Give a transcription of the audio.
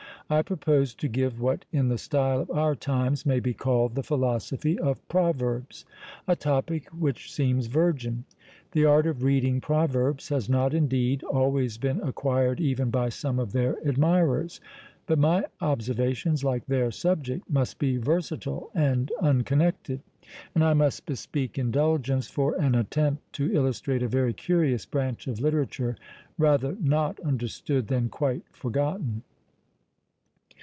I propose to give what, in the style of our times, may be called the Philosophy of Proverbs a topic which seems virgin. The art of reading proverbs has not, indeed, always been acquired even by some of their admirers; but my observations, like their subject, must be versatile and unconnected; and I must bespeak indulgence for an attempt to illustrate a very curious branch of literature, rather not understood than quite forgotten.